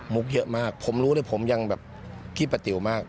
เยอะมากผมรู้เลยผมยังแบบขี้ประติวมาก